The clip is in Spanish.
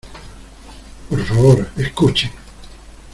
¡ por favor! ¡ escuchen !